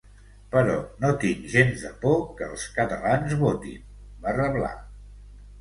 Però no tinc gens de por que els catalans votin, va reblar.